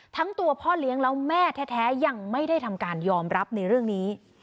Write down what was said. ทั้งตัวพ่อเลี้ยงแล้วแม่แท้ยังไม่ได้ทำการยอมรับในเรื่องนี้